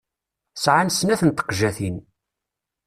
Sɛan snat n teqjatin.